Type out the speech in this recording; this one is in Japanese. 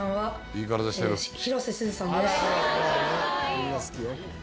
みんな好きよ。